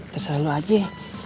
terserah lo aja